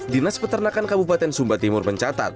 dinas peternakan kabupaten sumba timur mencatat